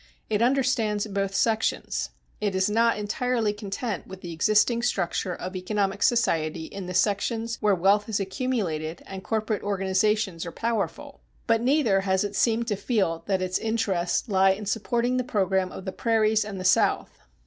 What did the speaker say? It understands both sections. It is not entirely content with the existing structure of economic society in the sections where wealth has accumulated and corporate organizations are powerful; but neither has it seemed to feel that its interests lie in supporting the program of the prairies and the South.